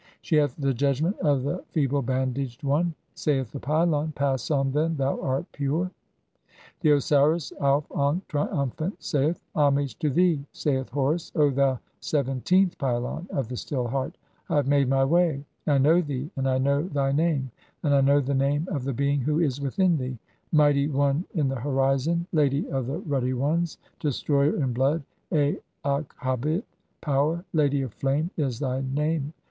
She hath "the judgment of the (58) feeble bandaged one." [Saith the pylon :—] "Pass on, then, thou art pure." . XVII. (59) The Osiris Auf ankh, triumphant, saith :— "Homage to thee, saith Horus, O thou seventeenth pylon "of the Still Heart. I have made [my] way. I know thee, and "I know thy name, and I know (60) the name of the being "who is within thee. 'Mighty one in the horizon, lady of the "ruddy ones, destroyer in blood, Aakhabit, Power, lady of flame', "is thy name.